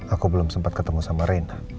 aku belum sempat ketemu sama rena